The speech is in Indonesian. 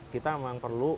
kita memang perlu